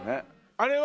あれは？